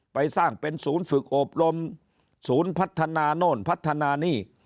ไปสร้างเป็นศูนย์ฝึกอบรมศูนย์พัฒนาโน่นพัฒนานี่